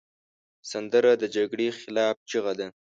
سندره د جګړې خلاف چیغه ده